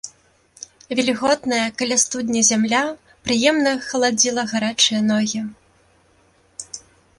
Вільготная каля студні зямля прыемна халадзіла гарачыя ногі.